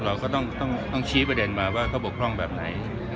เราก็ต้องชี้ประเด็นมาว่าเขาบกพร่องแบบไหน